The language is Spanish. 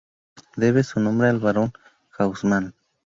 Debe su nombre al Barón Haussmann.